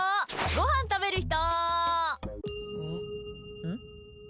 ごはん食べる人？